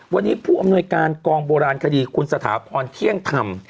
วันนี้ผู้อำนวยการกองโบราณคดีคุณสถาพรเที่ยงธรรม